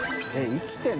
生きてるの？